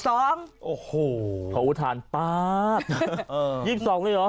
โอ้โหโทษทานป๊า๊บ๒๒ด้วยเหรอ